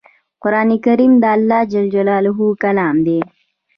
قران کریم د الله ج کلام دی